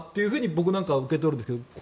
僕なんかは受け取るんですが。